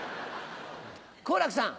好楽さん。